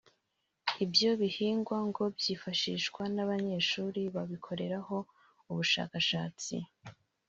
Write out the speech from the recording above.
Ibyo bihingwa ngo byifashishwa n’abanyeshuri bakabikoreraho ubushakashatsi